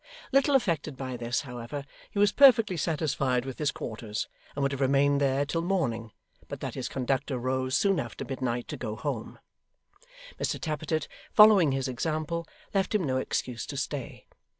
Little affected by this, however, he was perfectly satisfied with his quarters and would have remained there till morning, but that his conductor rose soon after midnight, to go home; Mr Tappertit following his example, left him no excuse to stay.